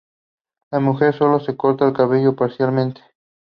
La mujer sólo se corta el cabello parcialmente.